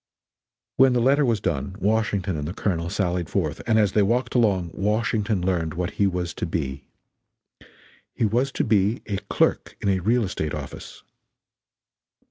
When the letter was done, Washington and the Colonel sallied forth, and as they walked along Washington learned what he was to be. He was to be a clerk in a real estate office.